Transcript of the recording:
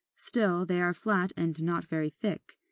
Still, they are flat and not very thick.